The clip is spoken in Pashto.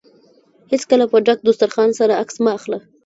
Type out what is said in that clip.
هېڅکله په ډک دوسترخان سره عکس مه اخله.